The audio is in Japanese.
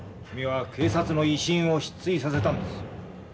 君は警察の威信を失墜させたんです。